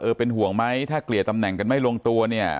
เป็นห่วงไหมถ้าเกลี่ยตำแหน่งกันไม่ลงตัวเนี่ย